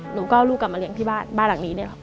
หนูก็เอาลูกกลับมาเลี้ยงที่บ้านบ้านหลังนี้เนี่ย